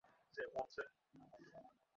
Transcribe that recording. হ্যাঁ, হ্যাঁ - না তুমি এখনও এটি ঠিক করোনি?